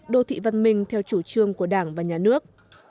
đô thị văn minh theo chủ trương của đảng và nhà nước